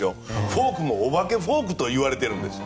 フォークもお化けフォークといわれているんです。